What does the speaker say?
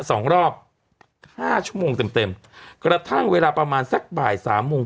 สองรอบห้าชั่วโมงเต็มเต็มกระทั่งเวลาประมาณสักบ่ายสามโมง